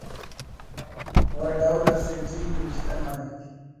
و ڈول اسیٹی نوشتہ مریک